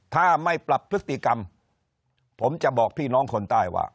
ถ้าไม่ปรับพฤติกรรมผมจะบอกพี่น้องคนใต้ว่า